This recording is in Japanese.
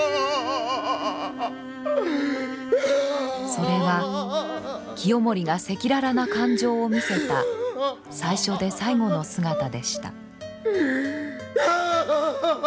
それは清盛が赤裸々な感情を見せた最初で最後の姿でした。